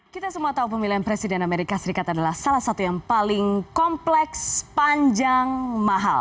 kita semua tahu pemilihan presiden amerika serikat adalah salah satu yang paling kompleks panjang mahal